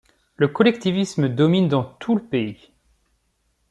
Le collectivisme domine dans tout le pays.